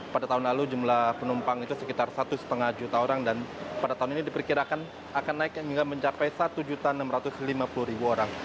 pada tahun lalu jumlah penumpang itu sekitar satu lima juta orang dan pada tahun ini diperkirakan akan naik hingga mencapai satu enam ratus lima puluh orang